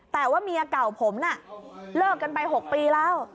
แต่ว่าเมียเก่าผมน่ะเลิกกันไป๖ปีแล้ว